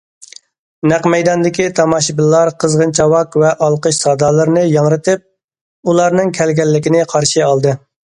نەق مەيداندىكى تاماشىبىنلار قىزغىن چاۋاك ۋە ئالقىش سادالىرىنى ياڭرىتىپ، ئۇلارنىڭ كەلگەنلىكىنى قارشى ئالدى.